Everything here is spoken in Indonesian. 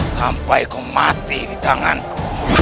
sampai kau mati di tanganku